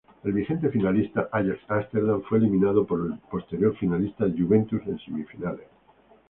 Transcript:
El vigente finalista Ajax Ámsterdam, fue eliminado por el posterior finalista Juventus en semifinales.